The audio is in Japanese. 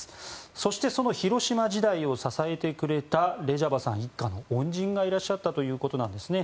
そして、広島時代を支えてくれたレジャバさん一家の恩人がいらっしゃったということなんですね。